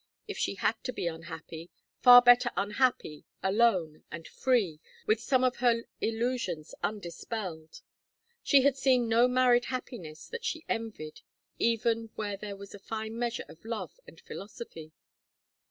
If she had to be unhappy, far better unhappy alone and free, with some of her illusions undispelled. She had seen no married happiness that she envied, even where there was a fine measure of love and philosophy.